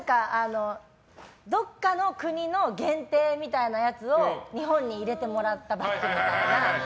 どこかの国の限定みたいなやつを日本に入れてもらったみたいな。